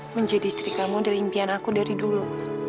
menjadi istri kamu dari impian aku dari dulu